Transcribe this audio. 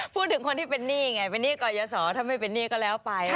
พูดถึงคนที่เป็นหนี้ไงเป็นหนี้ก่อยสอถ้าไม่เป็นหนี้ก็แล้วไป